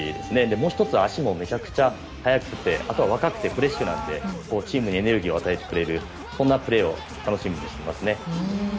もう１つ足もめちゃくちゃ速くてあとは若くてフレッシュなのでチームにエネルギーを与えてくれるそんなプレーを楽しみにしています。